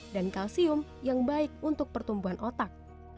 dan kalsium yang baik untuk pertumbuhan otak